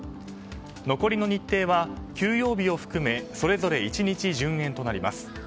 残りの日程は休養日を含めそれぞれ１日順延となります。